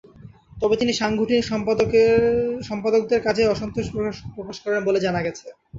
তবে তিনি সাংগঠনিক সম্পাদকদের কাজে অসন্তোষ প্রকাশ করেন বলে জানা গেছে।